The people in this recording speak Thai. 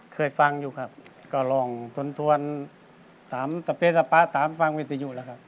เคยฟังอยู่ครับก็ลองทนทวน๓สเปตปะ๓ฟังวิทยุแล้วครับ